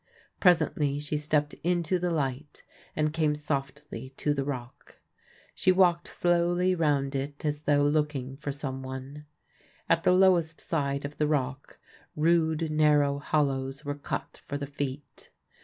Presently she stepped into the light and came softly to the Rock. She v/alked slowly round it as though looking for some one. At the lowest side of the Rock, rude narrow hollows were cut for the feet.